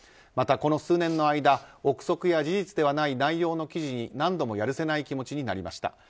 また、この数年の間憶測や事実ではない内容の記事に何度もやるせない気持ちになりました。